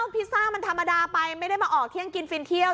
พิซซ่ามันธรรมดาไปไม่ได้มาออกเที่ยงกินฟินเที่ยว